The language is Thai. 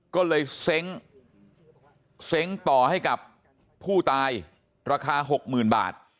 ก็เลยเซ้งเซ้งต่อให้กับผู้ตายราคา๖๐๐๐บาท